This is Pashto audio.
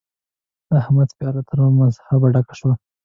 د احمد پياله تر مذهبه ډکه شوه.